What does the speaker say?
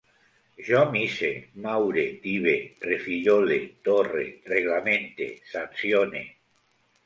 Jo misse, maure, tibe, refillole, torre, reglamente, sancione